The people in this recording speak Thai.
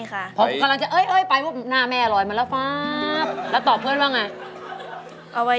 กระแซะเข้ามาสิ